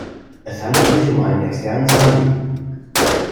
Es handelt sich um einen externen Sandhi.